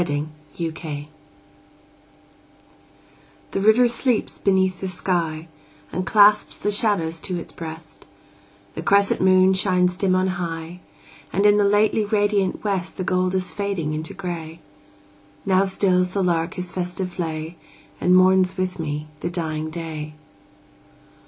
Y Z Sunset THE river sleeps beneath the sky, And clasps the shadows to its breast; The crescent moon shines dim on high; And in the lately radiant west The gold is fading into gray. Now stills the lark his festive lay, And mourns with me the dying day.